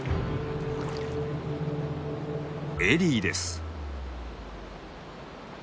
エリーです。